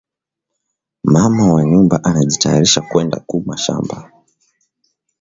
Mama wa nyumba anajitayarisha kwenda ku mashamba